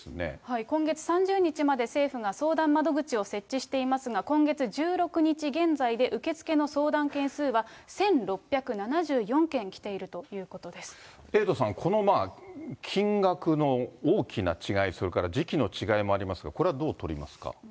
今月３０日まで政府が相談窓口を設置していますが、今月１６日現在で受け付けの相談件数は１６７４件来ているというエイトさん、この金額の大きな違い、それから時期の違いもありますが、これはどう取りますか。